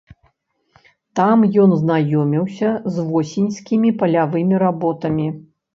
Там ён знаёміўся з восеньскімі палявымі работамі.